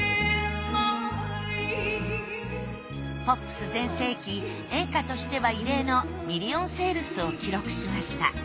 ポップス全盛期演歌としては異例のミリオンセールスを記録しました